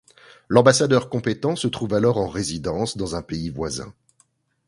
L'ambassadeur compétent se trouve alors en résidence dans un pays voisin.